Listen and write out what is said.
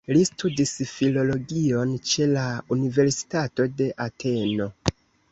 Li studis filologion ĉe la Universitato de Ateno.